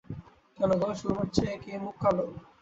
কেন গা, সুরমার চেয়ে কি এ মুখ কালাে?